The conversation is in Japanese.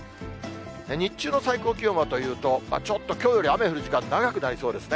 日中の最高気温はというと、ちょっときょうより雨降る時間、長くなりそうですね。